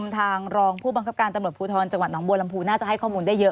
ทางรองผู้บังคับการตำรวจภูทรจังหวัดหนองบัวลำพูน่าจะให้ข้อมูลได้เยอะ